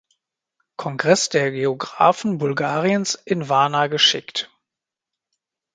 Kongress der Geographen Bulgariens in Warna geschickt.